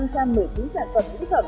năm trăm một mươi chín sản phẩm nữ phẩm